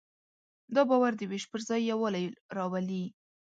دا باور د وېش پر ځای یووالی راولي.